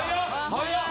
早っ！